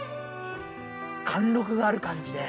貫禄がある感じで。